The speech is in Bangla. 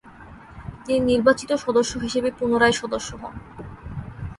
তিনি নির্বাচিত সদস্য হিসেবে পুনরায় সদস্য হন।